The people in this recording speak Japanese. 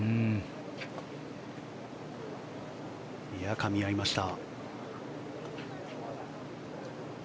かみ合いました。